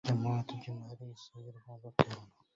التجمعات الجماهيرية الصغيرة ومرض الكورونا